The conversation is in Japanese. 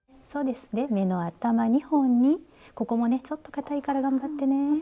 で目の頭２本にここもねちょっとかたいから頑張ってね。